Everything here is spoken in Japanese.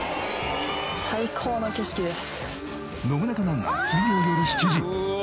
最高の景色です。